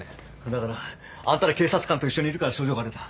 だからあんたら警察官と一緒にいるから症状が出た。